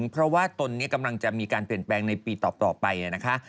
เพราะว่าตนนี้กำลังจะมีการเปลี่ยนแปลงในปีต่อไปนะคะ